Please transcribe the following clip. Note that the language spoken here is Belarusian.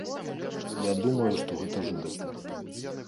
Я думаю, што гэта жудасна.